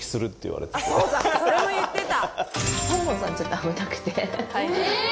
それも言ってた。